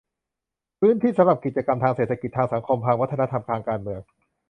พื้นที่สำหรับกิจกรรมทางเศรษฐกิจ ทางสังคม ทางวัฒนธรรม ทางการเมือง